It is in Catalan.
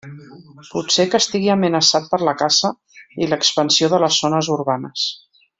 Pot ser que estigui amenaçat per la caça i l'expansió de les zones urbanes.